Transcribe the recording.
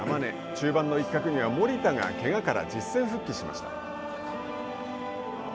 中盤の一角には守田がけがから実戦復帰しました。